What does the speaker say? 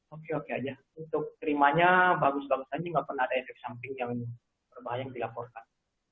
oke oke aja untuk terimanya bagus bagus saja nggak pernah ada efek samping yang berbahaya yang dilaporkan